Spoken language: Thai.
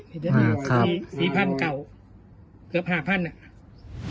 นี่เดิมไม่แล้วอะไรรอไหวมีห้านเก่าเกือบห้าพันอะ